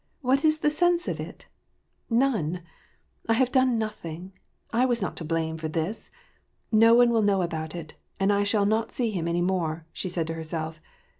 What is the sense of it ? None ! I have done nothing. I was not to blame for this. No one will know about it, and I shall not see him any more," said she to herself.